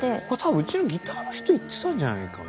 多分うちのギターの人行ってたんじゃないかな？